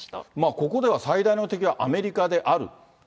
ここでは最大の敵はアメリカである。